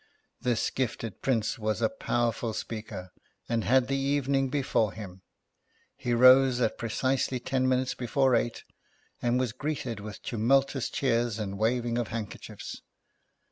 This gifted Prince was a powerful speaker, and had the evening before him. He rose at precisely ten minutes before eight, and was greeted with tumultuous cheers and waving of handkerchiefs.